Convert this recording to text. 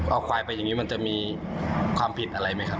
เอาควายไปอย่างนี้มันจะมีความผิดอะไรไหมครับ